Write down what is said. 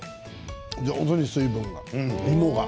上手に水分が、芋が。